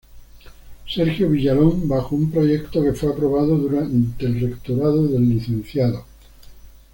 Sergio Villalón bajo un proyecto que fue aprobado durante el rectorado del Lic.